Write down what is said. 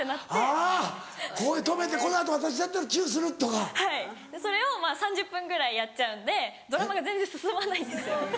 あぁここで止めて「この後私だったらチュする」とか。はいそれをまぁ３０分ぐらいやっちゃうんでドラマが全然進まないんですよ。